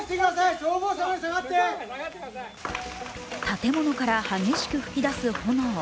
建物から激しく噴き出す炎。